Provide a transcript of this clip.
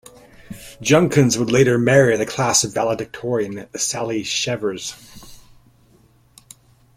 Junkins would later marry the class valedictorian, Sally Schevers.